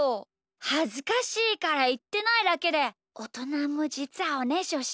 はずかしいからいってないだけでおとなもじつはおねしょしてるんだよ。